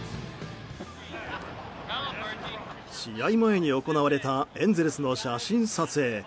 試合前に行われたエンゼルスの写真撮影。